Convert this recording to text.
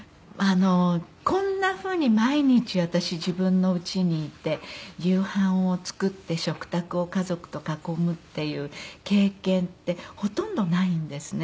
こんなふうに毎日私自分の家にいて夕飯を作って食卓を家族と囲むっていう経験ってほとんどないんですね。